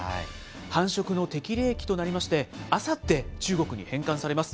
繁殖の適齢期となりまして、あさって、中国に返還されます。